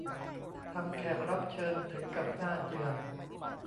ทำแขกรับเชิญถึงกับหน้าเจื่อน